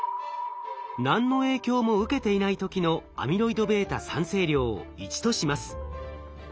何の影響も受けていない時のアミロイドβ産生量を１とします。